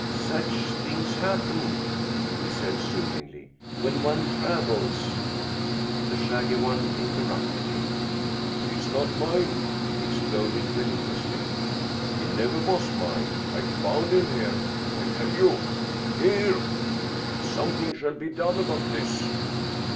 "Such things happen," he said soothingly. "When one travels " The shaggy one interrupted him. "He is not mine!" he exploded bellicosely. "He never was mine. I found him here, I tell you. Here! Something shall be done about this."